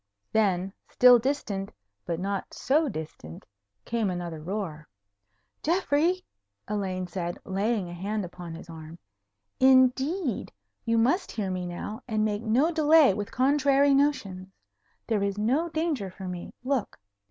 Then, still distant, but not so distant, came another roar. "Geoffrey!" Elaine said, laying a hand upon his arm; "indeed, you must hear me now, and make no delay with contrary notions. There is no danger for me. Look.